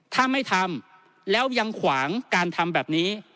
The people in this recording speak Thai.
ถ้าไม่ทำแล้วยังขวางการทำแบบนี้